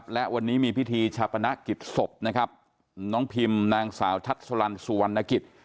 และวันนี้มีพิธีชาปนักศิษย์ศพน้องพิมน์นางสาวทัศน์สาวรรณสุวรรณกฤษ